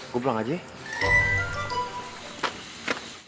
gue pulang aja ya